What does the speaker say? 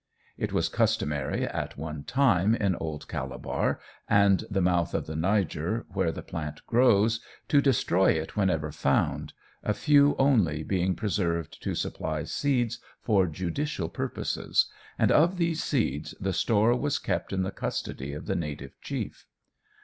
It was customary, at one time, in Old Calabar, and the mouth of the Niger, where the plant grows, to destroy it whenever found, a few only being preserved to supply seeds for judicial purposes, and of these seeds the store was kept in the custody of the native chief.